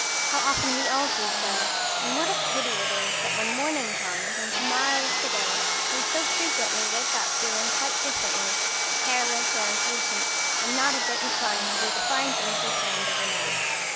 How often we all do so! And what a pity it is that when morning comes and to morrow is to day, we so frequently wake up feeling quite differently; careless or impatient, and not a bit inclined to do the fine things we planned overnight.